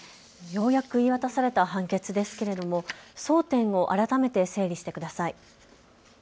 ようやく言い渡された判決ですが争点を改めて整理してください。